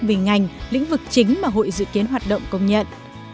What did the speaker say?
vì ngành lĩnh vực chính mà hội dự kiến hoạt động công nhận